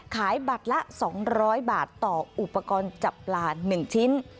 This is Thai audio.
ขายบัตรละสองร้อยบาทต่ออุปกรณ์จับปลาหนึ่งชิ้น